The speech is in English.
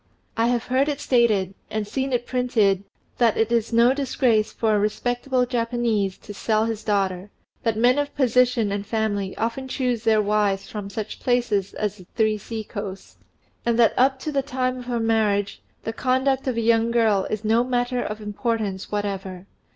I have heard it stated, and seen it printed, that it is no disgrace for a respectable Japanese to sell his daughter, that men of position and family often choose their wives from such places as "The Three Sea coasts," and that up to the time of her marriage the conduct of a young girl is a matter of no importance whatever.